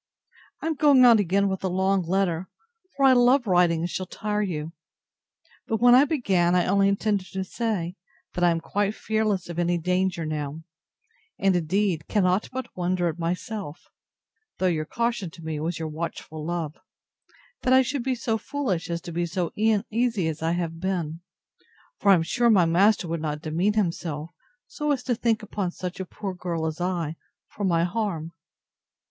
I am going on again with a long letter; for I love writing, and shall tire you. But, when I began, I only intended to say, that I am quite fearless of any danger now: and, indeed, cannot but wonder at myself, (though your caution to me was your watchful love,) that I should be so foolish as to be so uneasy as I have been: for I am sure my master would not demean himself, so as to think upon such a poor girl as I, for my harm.